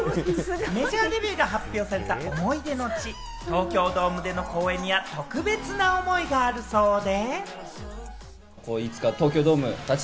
メジャーデビューが発表された思い出の地・東京ドームでの公演には特別な思いがあるそうで。